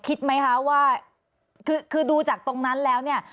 คิดไหมคะว่าคือดูจากตรงนั้นแล้วเนี่ย